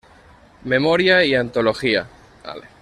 Memoria y antología".